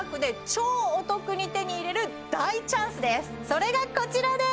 あのそれがこちらです！